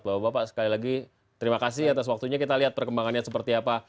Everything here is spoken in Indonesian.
bapak bapak sekali lagi terima kasih atas waktunya kita lihat perkembangannya seperti apa